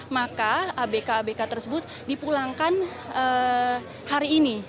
maka abk abk tersebut dipulangkan hari ini